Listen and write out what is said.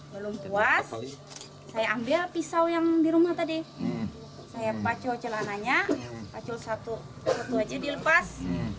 belum puas saya ambil pisau yang di rumah tadi saya pacu celananya pacul satu dua aja dilepas